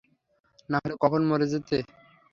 নাহলে কখন মরে যেতে!